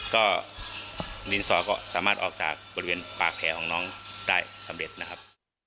ก็ดินสอก็สามารถออกจากบริเวณปากแผลของน้องได้สำเร็จนะครับ